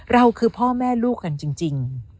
เราคือพ่อแม่ลูกกันจริง